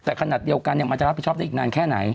แต่ขนาดเดียวกันมันจะรับผิดชอบได้อีกนานแค่ไหน